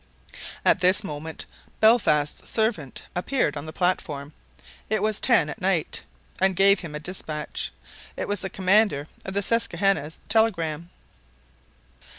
At this moment Belfast's servant appeared on the platform (it was ten at night) and gave him a dispatch. It was the commander of the Susquehanna's telegram.